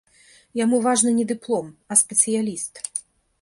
Яму важны не дыплом, а спецыяліст.